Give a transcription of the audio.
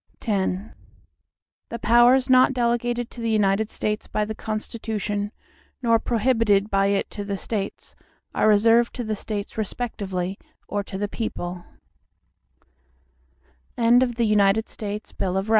X The powers not delegated to the United States by the Constitution, nor prohibited by it to the States, are reserved to the States respectively, or to the people.